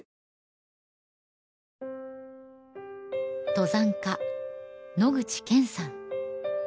登山家野口健さん